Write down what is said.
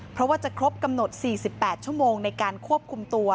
เพราะว่าจะครบกำหนด๔๘ชั่วโมงในการควบคุมตัว